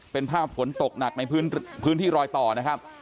เป็นภาพฝนตกหนักในพื้นที่รอยต่อนะครับ